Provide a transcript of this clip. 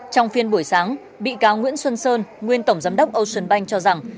trong phiên buổi sáng bị cáo nguyễn xuân sơn nguyên tổng giám đốc ocean bank cho rằng